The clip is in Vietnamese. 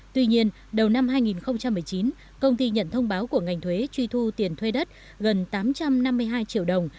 tuy nhiên đầu năm hai nghìn một mươi chín công ty nhận thông báo của ngành thuế truy thu tiền thuê đất gần tám trăm năm mươi hai triệu đồng